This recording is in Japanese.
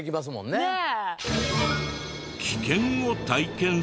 ねえ！